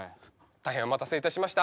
大変お待たせいたしました。